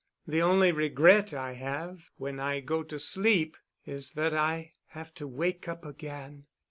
The only regret I have when I go to sleep is that I have to wake up again."